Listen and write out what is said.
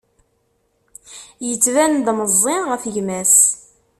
Yettban-d meẓẓi ɣef gma-s.